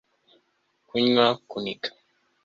kunywa, kuniga